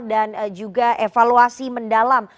dan juga evaluasi mendalam